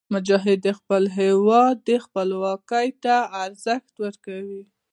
مجاهد د خپل هېواد خپلواکۍ ته ارزښت ورکوي.